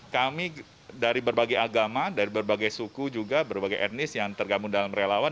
kami dari berbagai agama dari berbagai suku juga berbagai etnis yang tergabung dalam relawan